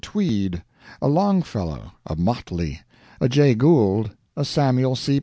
Tweed, a Longfellow, a Motley, a Jay Gould, a Samuel C.